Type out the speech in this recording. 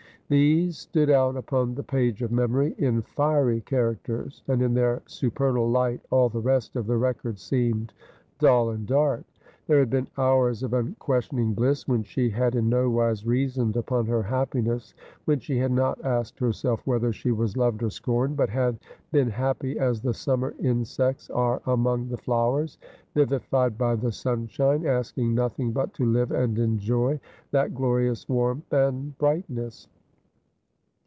These stood out upon the page of memory in fiery characters, and in their supernal light all the rest of the record seemed dull and dark. There had been hours of unques tioning bliss when she had in no wise reasoned upon her happi ness, when she had not asked herself whether she was loved or scorned, but had been happy as the summer insects are among the fliowers, vivified by the sunshine, asking nothing but to live and enjoy that glorious warmth and brightness.